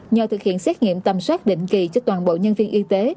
nhờ thực hiện xét nghiệm tầm soát định kỳ cho toàn bộ nhân viên y tế